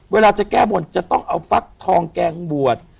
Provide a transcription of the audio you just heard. เวลาจะแก้บนจะต้องเอาฟักทองแกงบวช